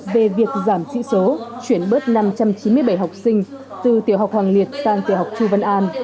về việc giảm sĩ số chuyển bớt năm trăm chín mươi bảy học sinh từ tiểu học hoàng liệt sang tiểu học chu văn an